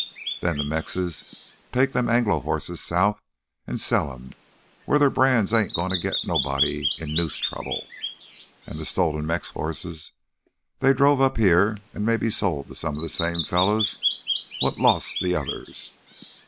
Then th' Mexes take them Anglo hosses south an' sell 'em, where their brands ain't gonna git nobody into noose trouble. An' th' stolen Mex hosses, they's drove up here an' maybe sold to some of th' same fellas what lost th' others.